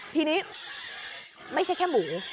ทีนี้ไม่ใช่แค่หมู